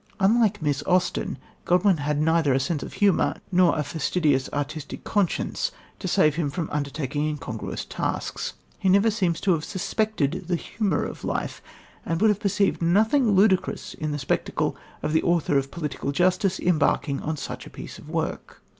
Unlike Miss Austen, Godwin had neither a sense of humour nor a fastidious artistic conscience to save him from undertaking incongruous tasks. He seems never even to have suspected the humour of life, and would have perceived nothing ludicrous in the spectacle of the author of Political Justice embarking on such a piece of work.